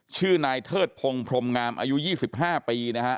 ชื่อนายเทิดพงศ์พรมงามอายุ๒๕ปีนะฮะ